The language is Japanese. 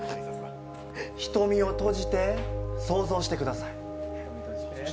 瞳をとじて想像してください。